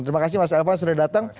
terima kasih mas elvan sudah datang